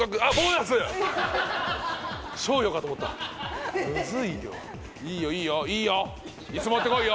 椅子持ってこいよいいよ椅子持ってこいよ。